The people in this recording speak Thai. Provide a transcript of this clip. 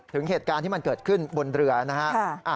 ถึงเหตุการณ์ที่มันเกิดขึ้นบนเรือนะฮะ